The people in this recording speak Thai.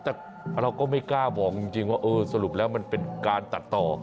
แต่เราก็ไม่กล้าบอกจริงว่าเออสรุปแล้วมันเป็นการตัดต่อ